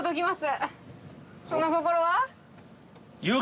その心は？